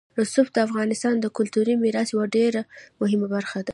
رسوب د افغانستان د کلتوري میراث یوه ډېره مهمه برخه ده.